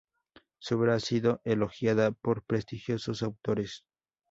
Su obra ha sido elogiada por prestigiosos autores.